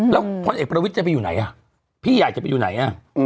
แล้วพลเอกประวิทย์จะไปอยู่ไหนอ่ะพี่อยากจะไปอยู่ไหน